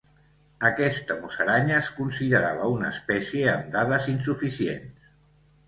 Aquesta musaranya es considerava una espècie amb "dades insuficients".